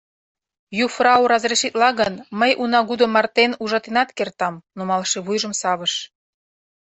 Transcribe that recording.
— Юфрау разрешитла гын, мый унагудо мартен ужатенат кертам, — нумалше вуйжым савыш.